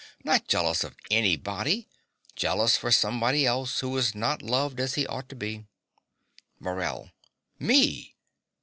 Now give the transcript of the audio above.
Not jealous of anybody. Jealous for somebody else, who is not loved as he ought to be. MORELL. Me!